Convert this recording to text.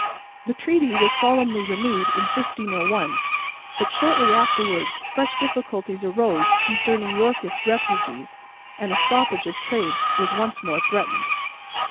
The treaty was solemnly renewed in 1501, but shortly afterwards fresh difficulties arose concerning Yorkist refugees, and a stoppage of trade was once more threatened.